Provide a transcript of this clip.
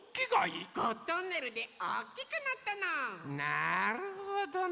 なるほどね。